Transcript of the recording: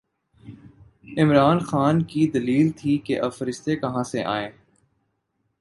عمران خان کی دلیل تھی کہ اب فرشتے کہاں سے آئیں؟